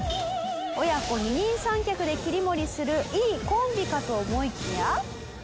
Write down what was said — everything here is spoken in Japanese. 親子二人三脚で切り盛りするいいコンビかと思いきや。